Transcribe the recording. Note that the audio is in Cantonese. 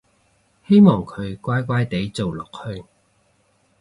希望佢乖乖哋做落去